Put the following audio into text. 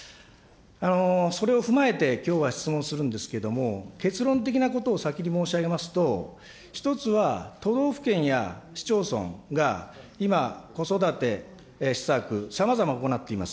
それを踏まえて、きょうは質問するんですけれども、結論的なことを先に申し上げますと、１つは都道府県や市町村が、今、子育て施策、さまざま行っています。